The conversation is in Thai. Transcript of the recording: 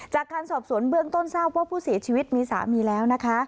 จากการสอบสวนเบื้องต้นทราบว่าผู้เสียชีวิตมีสามีแล้วนะคะ